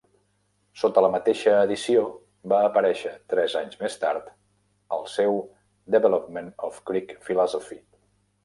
Sota la mateixa edició va aparèixer, tres anys més tard, el seu "Development of Greek Philosophy".